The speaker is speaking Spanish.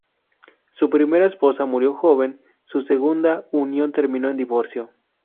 Su primera esposa murió joven; su segunda unión terminó en divorcio.